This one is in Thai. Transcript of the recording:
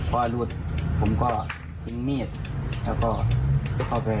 พอรุดผมก็ทิ้งมีดแล้วก็เอาไปจับตัวมันไว้